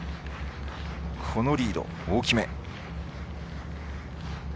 このリード大きめ。